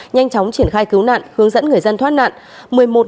nhanh chóng triển khai cứu nạn hướng dẫn người dân thoát nạn